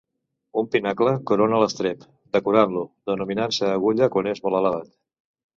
Un pinacle corona l'estrep, decorant-lo, denominant-se agulla quan és molt elevat.